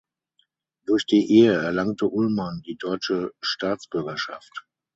Durch die Ehe erlangte Ullmann die deutsche Staatsbürgerschaft.